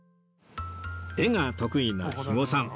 絵が得意な肥後さん